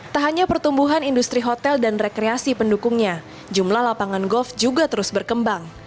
tak hanya pertumbuhan industri hotel dan rekreasi pendukungnya jumlah lapangan golf juga terus berkembang